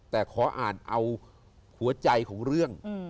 แต่ขออ่านเอาหัวใจของเรื่อง